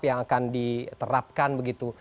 yang akan diterapkan begitu